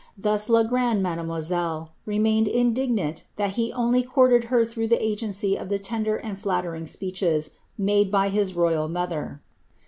TbM la grande mademoiselle remained indignant that he only courted bcr through the agency of the tender and flattering speeches made by hii royal mother.